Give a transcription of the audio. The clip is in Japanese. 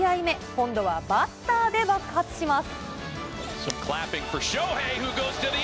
今度はバッターで爆発します。